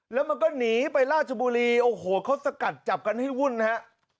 แล้วมันก็หนีไปราชบุรีโอ้โหเขาสกัดจับกันให้วุ่นฮะ